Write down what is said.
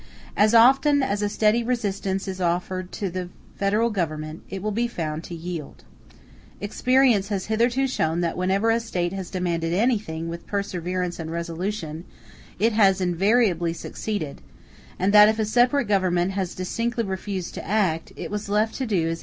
As often as a steady resistance is offered to the Federal Government it will be found to yield. Experience has hitherto shown that whenever a State has demanded anything with perseverance and resolution, it has invariably succeeded; and that if a separate government has distinctly refused to act, it was left to do as it thought fit.